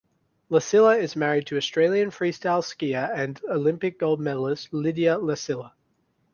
Lassila is married to Australian freestyle skier and Olympic gold medalist Lydia Lassila.